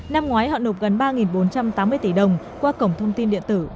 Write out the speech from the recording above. năm ngoái họ nộp gần ba bốn trăm tám mươi tỷ đồng qua cổng thông tin điện tử